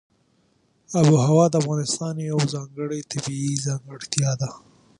آب وهوا د افغانستان یوه ځانګړې طبیعي ځانګړتیا ده.